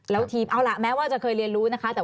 เดี๋ยวเราจะมาคุยกันต่อแต่ทีนี้จะมาคุยกับผอ